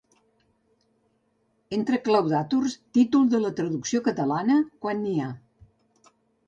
Entre claudàtors, títol de la traducció catalana, quan n'hi ha.